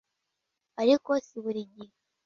ariko si buri gihe